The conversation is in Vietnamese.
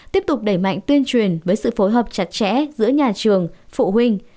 tiếp tục đẩy mạnh tuyên truyền với sự phối hợp chặt chẽ giữa nhà trường phụ huynh